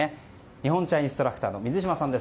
日本茶インストラクターの水嶋さんです。